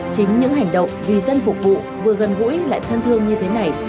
chính những hành động vì dân phục vụ vừa gần gũi lại thân thương như thế này